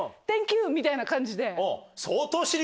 みたいな感じで。